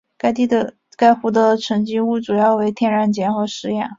该湖的沉积物主要为天然碱和石盐。